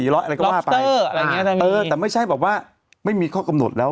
ล๊อบอะไรก็ว่าไปแต่ไม่ใช่บอกว่าไม่มีข้อกำหนดแล้ว